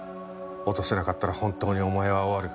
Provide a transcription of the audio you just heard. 落とせなかったら本当にお前は終わる。